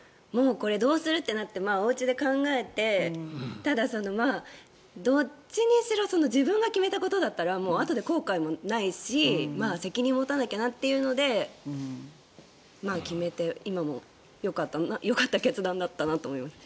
どうするってなっておうちで１回、考えてただ、どっちにしろ自分が決めたことだったらあとで後悔もないし責任を持たなきゃなというので決めて、今もよかった決断だったなと思います。